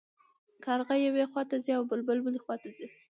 کارغه یوې خوا ته ځي او بلبل بلې خوا ته ځي.